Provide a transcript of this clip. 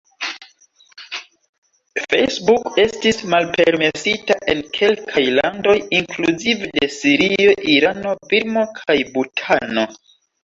Facebook estis malpermesita en kelkaj landoj, inkluzive de Sirio, Irano, Birmo kaj Butano.